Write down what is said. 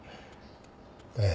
ええ。